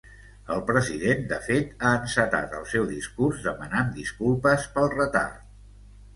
El president, de fet, ha encetat el seu discurs demanant disculpes pel retard.